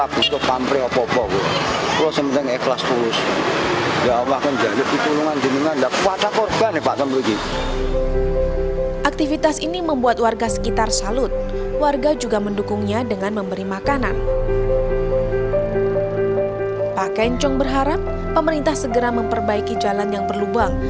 pak kencong berharap pemerintah segera memperbaiki jalan yang berlubang